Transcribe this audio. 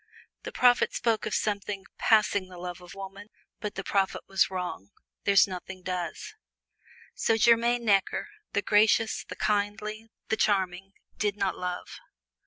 The prophet spoke of something "passing the love of woman," but the prophet was wrong there's nothing does. So Germaine Necker, the gracious, the kindly, the charming, did not love.